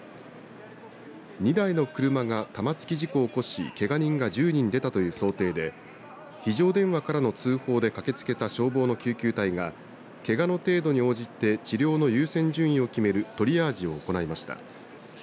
２台の車が玉突き事故を起こしけが人が１０人出たという想定で非常電話からの通報で駆けつけた消防の救急隊がけがの程度に応じて治療の優先順位を決めるトリアージを行いました。